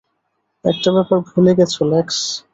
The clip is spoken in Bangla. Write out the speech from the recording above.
একটা ব্যাপার ভুলে গেছো, লেক্স।